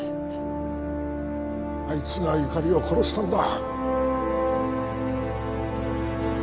あいつがゆかりを殺したんだ！